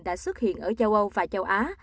đã xuất hiện ở châu âu và châu á